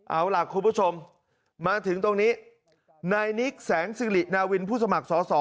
เอาล่ะคุณผู้ชมมาถึงตรงนี้นายนิกแสงสิรินาวินผู้สมัครสอสอ